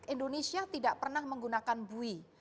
indonesia tidak pernah menggunakan bui